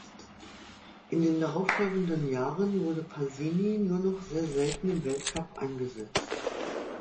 In den darauffolgenden Jahren wurde Pasini nur noch sehr selten im Weltcup eingesetzt.